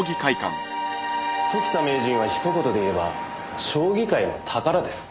時田名人はひと言で言えば将棋界の宝です。